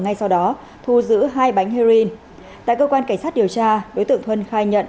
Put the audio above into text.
ngay sau đó thu giữ hai bánh heroin tại cơ quan cảnh sát điều tra đối tượng thuân khai nhận